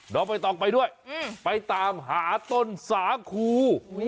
เดาไปต่อไปด้วยไปตามหาต้นสาขู